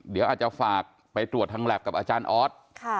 เดี๋ยวอาจจะฝากไปตรวจทางแล็บกับอาจารย์ออส